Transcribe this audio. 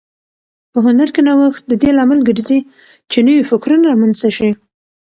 په هنر کې نوښت د دې لامل ګرځي چې نوي فکرونه رامنځته شي.